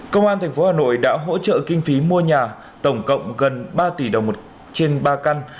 công an tp hà nội đã hỗ trợ kinh phí mua nhà tổng cộng gần ba tỷ đồng trên ba căn